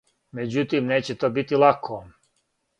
Међутим неће то бити лако.